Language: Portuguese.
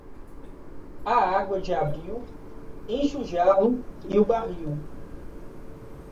A água de abril enche o jarro e o barril.